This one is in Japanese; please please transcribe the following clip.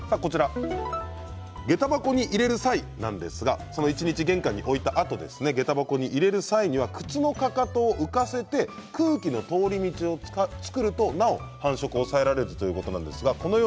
げた箱に入れる際なんですが一日、玄関に置いたあと靴のかかとを浮かせて空気の通り道を作るとなお繁殖が抑えられるということです。